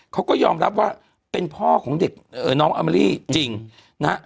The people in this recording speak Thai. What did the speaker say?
เขาก็ยอมรับว่าเป็นพ่อของเด็กน้องอามอรี่จริงนะฮะ